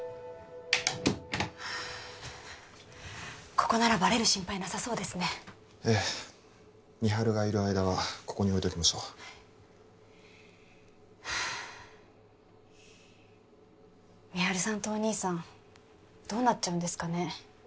ここならバレる心配なさそうですねええ美晴がいる間はここに置いておきましょうはい美晴さんとお義兄さんどうなっちゃうんですかね